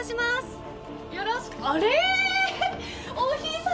あれ？